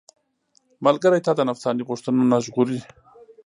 ملګری تا د نفساني غوښتنو نه ژغوري.